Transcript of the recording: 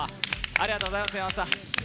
ありがとうございます岩本さん。